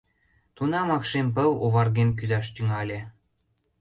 Тунамак шем пыл оварген кӱзаш тӱҥале.